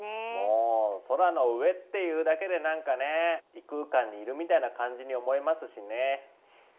もう空の上っていうだけでなんかね異空間にいるみたいな感じに思えますしね。